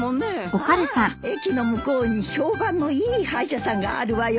ああ駅の向こうに評判のいい歯医者さんがあるわよ。